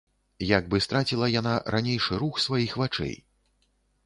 Як бы страціла яна ранейшы рух сваіх вачэй.